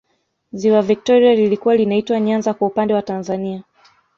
ziwa victoria lilikuwa linaitwa nyanza kwa upande wa tanzania